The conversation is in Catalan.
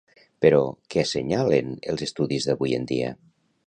Però, que assenyalen els estudis d'avui en dia?